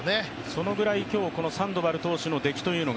そのぐらい今日サンドバル投手のできというのが。